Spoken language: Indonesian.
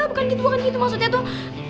bukan gitu bukan gitu maksudnya tuh